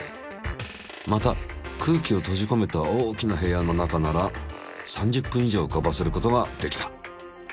また空気を閉じこめた大きな部屋の中なら３０分以上うかばせることができた。